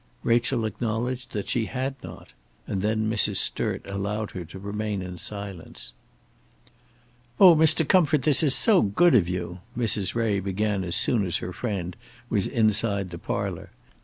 Rachel acknowledged that she had not; and then Mrs. Sturt allowed her to remain in her silence. "Oh, Mr. Comfort, this is so good of you!" Mrs. Ray began as soon as her friend was inside the parlour.